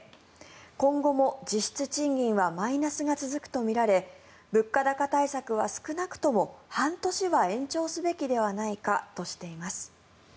今後も実質賃金はマイナスが続くとみられ物価高対策は少なくとも半年は延長すべきではないかとしています。